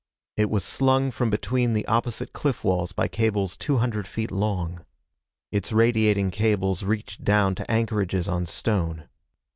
It was slung from between the opposite cliff walls by cables two hundred feet long. Its radiating cables reached down to anchorages on stone.